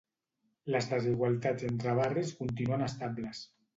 Les desigualtats entre barris continuen estables.